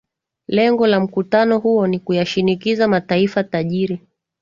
lengo la mkutano huo ni kuyashinikiza mataifa tajiri